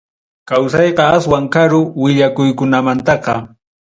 Kawsayqa aswan karu willakuykunamantaqa.